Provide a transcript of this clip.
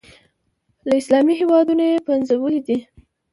له اسلامي هېوادونو یې پنځولي دي.